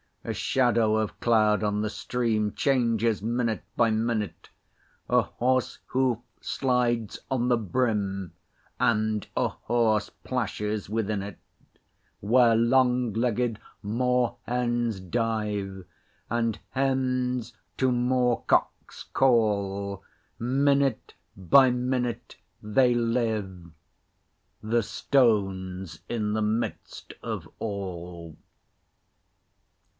A shadow of cloud on the stream Changes minute by minute; A horse hoof slides on the brim; And a horse plashes within it Where long legged moor hens dive And hens to moor cocks call. Minute by minute they live: The stone's in the midst of all.